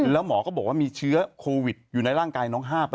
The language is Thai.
แล้วหมอก็บอกว่ามีเชื้อโควิดอยู่ในร่างกายน้อง๕